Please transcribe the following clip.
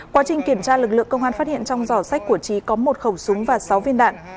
quá trình kiểm tra lực lượng công an phát hiện trong giỏ sách của trí có một khẩu súng và sáu viên đạn